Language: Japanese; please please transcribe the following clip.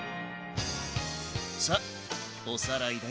さあおさらいだよ。